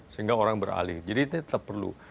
sehingga orang beralih jadi tetap perlu